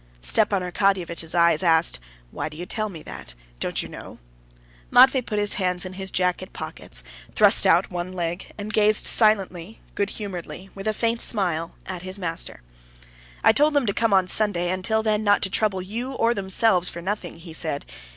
Stepan Arkadyevitch's eyes asked: "Why do you tell me that? don't you know?" Matvey put his hands in his jacket pockets, thrust out one leg, and gazed silently, good humoredly, with a faint smile, at his master. "I told them to come on Sunday, and till then not to trouble you or themselves for nothing," he said.